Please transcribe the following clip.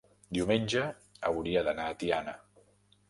diumenge hauria d'anar a Tiana.